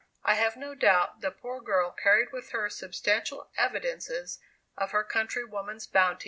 I have no doubt the poor girl carried with her substantial evidences of her countrywoman's bounty.